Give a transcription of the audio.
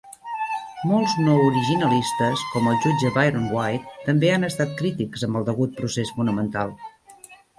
Molts no originalistes, com el jutge Byron White, també han estat crítics amb el degut procés fonamental.